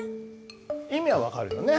意味は分かるよね？